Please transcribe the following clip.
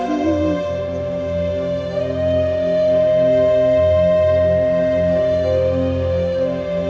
พ่อรักลูก